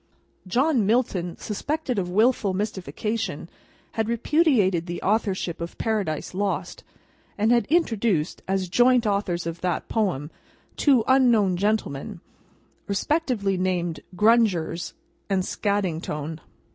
John Milton (suspected of wilful mystification) had repudiated the authorship of Paradise Lost, and had introduced, as joint authors of that poem, two Unknown gentlemen, respectively named Grungers and Scadgingtone.